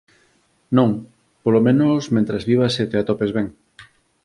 Non, polo menos, mentres vivas e te atopes ben.